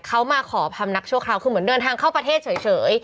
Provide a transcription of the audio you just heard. เขามาขอพำนักชั่วคราวคือเหมือนเดินทางเข้าประเทศเฉย